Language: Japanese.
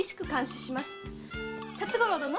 辰五郎殿。